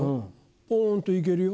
ポンと行けるよ。